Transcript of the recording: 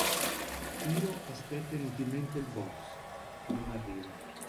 Hiro aspetta inutilmente il boss, che non arriva.